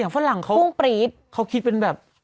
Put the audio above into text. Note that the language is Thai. แต่อย่างฝรั่งเขาคิดเป็นแบบ